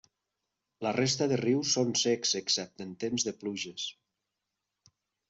La resta de rius són secs excepte en temps de pluges.